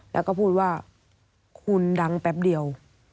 แล้วก็พูดว่าคุณดังแป๊บเดียว